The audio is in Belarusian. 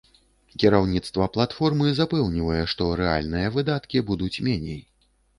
Кіраўніцтва платформы запэўнівае, што рэальныя выдаткі будуць меней.